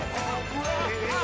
えっ！